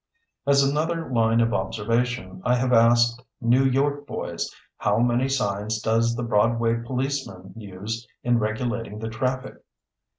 As another line of observation, I have asked New York boys, "How many signs does the Broadway policeman use in regulating the traffic?"